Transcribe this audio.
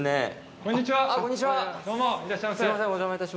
こんにちは。